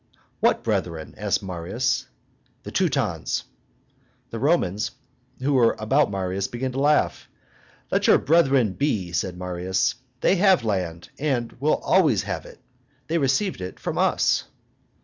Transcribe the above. "What brethren?" asked Marius. "The Teutons." The Romans who were about Marius began to laugh. "Let your brethren be," said Marius; "they have land, and will always have it; they received it from us."